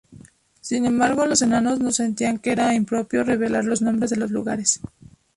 Sin embargo los Enanos no sentían que era impropio revelar los nombres de lugares.